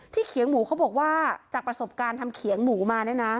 เขียงหมูเขาบอกว่าจากประสบการณ์ทำเขียงหมูมาเนี่ยนะ